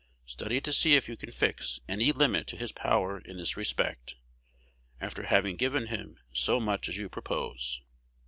Study to see if you can fix any limit to his power in this respect, after having given him so much as you propose.